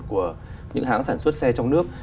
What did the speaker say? của những hãng sản xuất xe trong nước